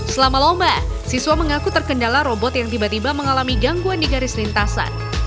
selama lomba siswa mengaku terkendala robot yang tiba tiba mengalami gangguan di garis lintasan